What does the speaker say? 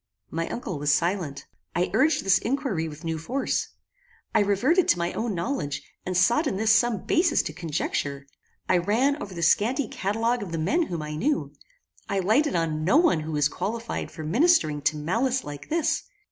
My uncle was silent. I urged this inquiry with new force. I reverted to my own knowledge, and sought in this some basis to conjecture. I ran over the scanty catalogue of the men whom I knew; I lighted on no one who was qualified for ministering to malice like this.